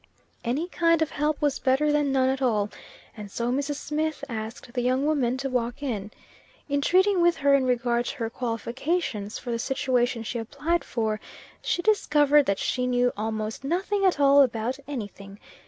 Any kind of help was better than none at all, and so Mrs. Smith asked the young woman to walk in. In treating with her in regard to her qualifications for the situation she applied for, she discovered that she knew "almost nothing at all about any thing."